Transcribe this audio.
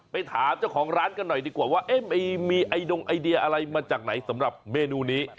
ไปถามเจ้าของร้านกันหน่อยดีกว่าว่ามีไอดงไอเดียอะไรมาจากไหนสำหรับเมนูนี้